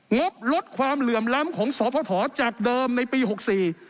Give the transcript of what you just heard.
งบลดความเหลื่อมล้ำของสพจากเดิมในปีหกสี่